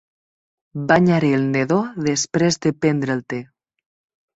Banyaré el nadó després de prendre el te